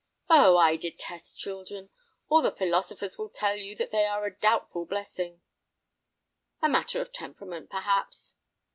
"Oh, I detest children. All the philosophers will tell you that they are a doubtful blessing." "A matter of temperament, perhaps."